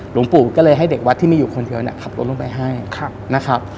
หลวงปู่ก็เลยให้เด็กวัดที่มีอยู่คนเดียวเนี่ยขับรถลงไปให้นะครับ